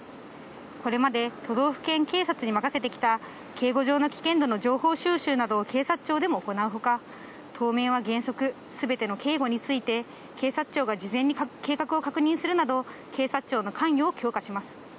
これまで都道府県警察に任せてきた、警護上の危険度の情報収集などを警察庁でも行うほか、当面は原則、すべての警護について、警察庁が事前に計画を確認するなど、警察庁の関与を強化します。